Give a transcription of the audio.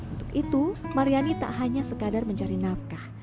untuk itu maryani tak hanya sekadar mencari nafkah